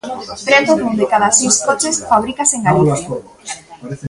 Preto dun de cada seis coches fabrícase en Galicia.